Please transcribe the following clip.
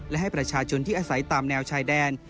และให้ประชาชนที่อาศัยตามแนวชายแดน